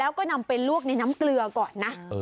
แล้วก็นำไปลวกในน้ำเกลือก่อนนะ